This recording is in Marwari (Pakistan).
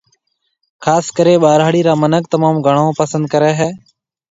خاص ڪريَ ٻاهراڙِي را منک تموم گھڻون پسند ڪريَ هيَ